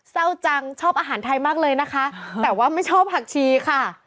เศร้าจังชอบอาหารไทยมากเลยนะคะแต่ว่าไม่ชอบผักชีค่ะ